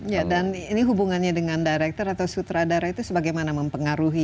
ya dan ini hubungannya dengan director atau sutradara itu sebagaimana mempengaruhi